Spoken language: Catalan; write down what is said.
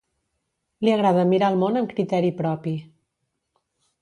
Li agrada mirar el món amb criteri propi.